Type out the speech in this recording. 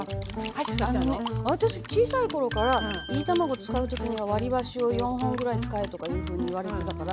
私小さい頃からいり卵作る時には割り箸を４本ぐらい使えとかいうふうに言われてたから。